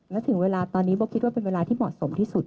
และถึงเวลาตอนนี้โบ๊คิดว่าเป็นเวลาที่เหมาะสมที่สุด